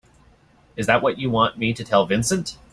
Is that what you want me to tell Vincent?